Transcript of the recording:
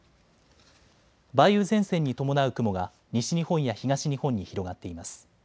梅雨前線に伴う雲が西日本や東日本に広がっています。